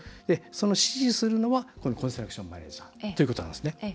指示するのはコンストラクションマネージャーということなんです。